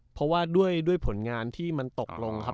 เพราะว่าด้วยผลงานที่มันตกลงครับ